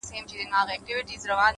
• څوك مي دي په زړه باندي لاس نه وهي ـ